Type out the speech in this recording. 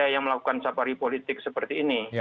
yang melakukan safari politik seperti ini